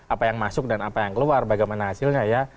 apa yang masuk dan apa yang keluar bagaimana hasilnya ya